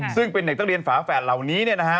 ซึ่งเป็นเด็กนักเรียนฝาแฝดเหล่านี้